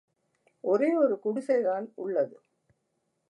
ஒரே ஒரு குடிசைதான் உள்ளது.